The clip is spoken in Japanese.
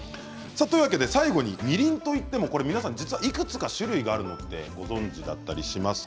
最後に、みりんと言っても皆さん実はいくつか種類があるのをご存じだったりしますか？